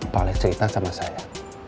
pak alek cerita sama saya